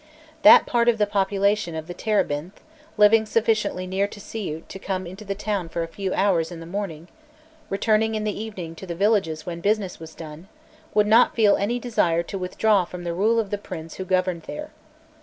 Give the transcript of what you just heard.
That part of the population of the Terebinth, living sufficiently near to Siût to come into the town for a few hours in the morning, returning in the evening to the villages when business was done, would not feel any desire to withdraw from the rule of the prince who governed there.